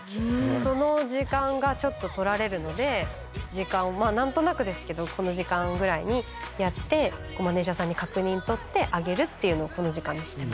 その時間が取られるので何となくですけどこの時間ぐらいにやってマネジャーさんに確認取って上げるっていうのをこの時間。